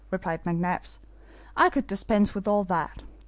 replied McNabbs, "I could dispense with all that.